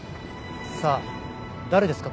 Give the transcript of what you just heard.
さあ誰ですか？